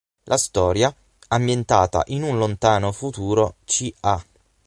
La storia, ambientata in un lontano futuro ca.